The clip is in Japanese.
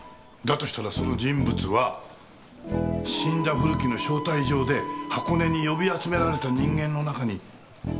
としたらその人物は死んだ古木の招待状で箱根に呼び集められた人間の中にいる可能性が高いですね。